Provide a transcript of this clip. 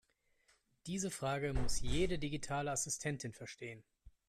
Diese Frage muss jede digitale Assistentin verstehen.